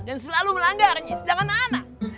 dan selalu melanggar istirahat anak